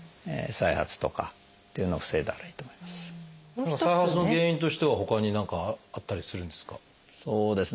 再発の原因としてはほかに何かあったりするんですか？